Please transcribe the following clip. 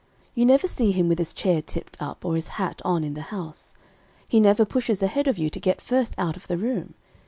You never see him with his chair tipped up, or his hat on in the house. He never pushes ahead of you to get first out of the room.